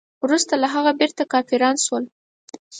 وروسته له هغه بیرته کافران شول.